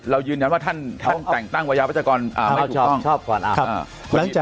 เรายืนอย่างนั้นว่าท่านแต่งตั้งวัยาพัฒกรไม่ถูกต้อง